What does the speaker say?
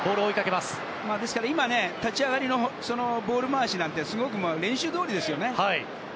ですから今、立ち上がりのボール回しはすごく、練習どおりですよね。